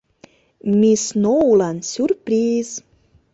Мисс Сноулан сюрприз